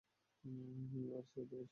আর সেই অধ্যায়ও শেষ।